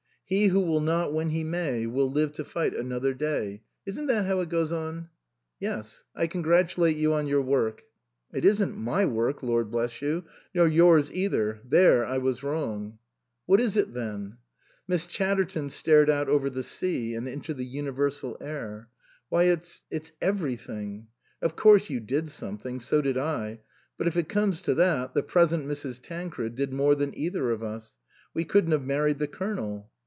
" He who will not when he may, will live to fight another day ; isn't that how it goes on ?"" Yes ; I congratulate you on your work." " It isn't my work, lord bless you ! nor yours either there I was wrong." "What is it then?" Miss Chatterton stared out over the sea and into the universal air. " Why, it's it's every thing I Of course you did something, so did I. But if it comes to that, the present Mrs. Tancred did more than either of us. We couldn't have married the Colonel."